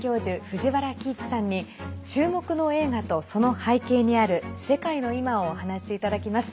藤原帰一さんに注目の映画と、その背景にある世界の今をお話いただきます。